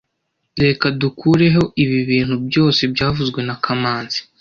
Reka dukureho ibi bintu byose byavuzwe na kamanzi